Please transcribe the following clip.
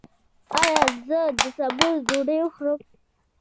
ایا زه د سبوس ډوډۍ وخورم؟